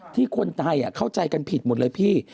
ที่คนไทยเข้าใจกันผิดหมดเลยพี่